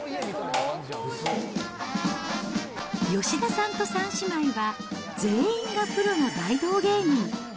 吉田さんと３姉妹は、全員がプロの大道芸人。